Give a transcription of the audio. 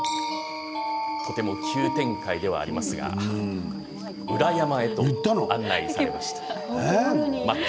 急展開ではありますが裏山に案内されました。